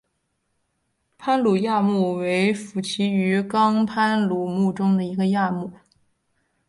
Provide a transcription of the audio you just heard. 攀鲈亚目为辐鳍鱼纲攀鲈目的其中一个亚目。